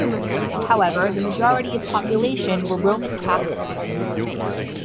However, the majority of population were Roman Catholic Poles.